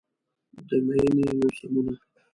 د میینې موسمونه